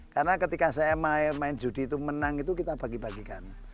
karena ketika saya main judi itu menang itu kita bagi bagikan